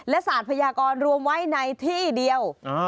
และศาสตร์พยากรรวมไว้ในที่เดียว